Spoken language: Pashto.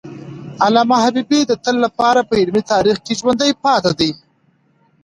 علامه حبیبي د تل لپاره په علمي تاریخ کې ژوندی پاتي دی.